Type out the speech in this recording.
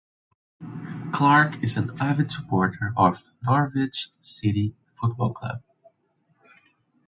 Clarke is an avid supporter of Norwich City Football Club.